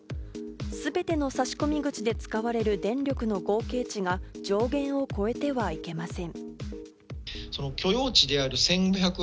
すべての差込口で使われる電力の合計値が上限を超えてはいけません。